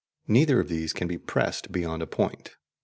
Neither of these can be pressed beyond a point.